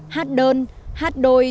hát đơn hát đôi